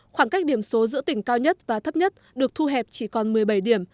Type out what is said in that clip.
khoảng cách điểm số giữa tỉnh cao nhất và thấp nhất được thu hẹp chỉ còn một mươi bảy điểm